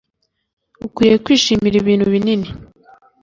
ukwiriye kwishimira ibinu binini